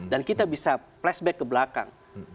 dan kita bisa flashback ke belakang